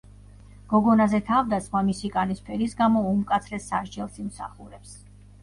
გოგონაზე თავდასხმა მისი კანის ფერის გამო უმკაცრეს სასჯელს იმსახურებს.